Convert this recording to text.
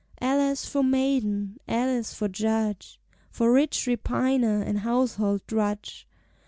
Alas for maiden, alas for judge, For rich repiner and household drudge!